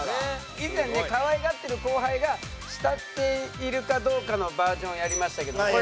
以前ねかわいがってる後輩が慕っているかどうかのバージョンをやりましたけど。